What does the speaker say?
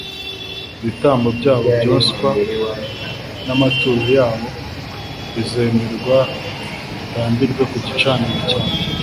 ibitambo byabo byoswa n'amaturo yabo bizemerwa bitambirwe ku gicaniro cyanjye